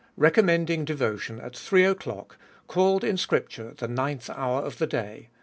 Recommending Devotion at three o'clock, called in Scripture the ninth hour of the day.